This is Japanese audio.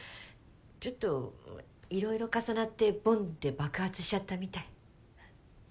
ちょっと色々重なってボンって爆発しちゃったみたい。